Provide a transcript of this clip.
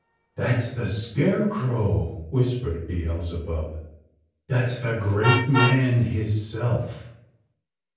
''That's the Scarecrow," whispered Beelzebub. That's the great man hisself."